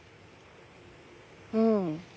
うん。